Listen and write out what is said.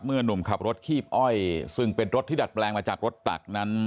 หนุ่มขับรถคีบอ้อยซึ่งเป็นรถที่ดัดแปลงมาจากรถตักนั้น